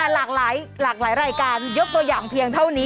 หลากหลายหลากหลายรายการเยอะกว่าอย่างเพียงเท่านี้